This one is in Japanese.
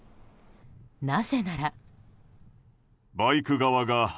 なぜなら。